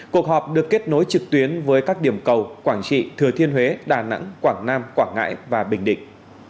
cuộc họp được kết nối trực tuyến với các điểm cầu quảng trị thừa thiên huế đà nẵng quảng nam quảng ngãi và bình định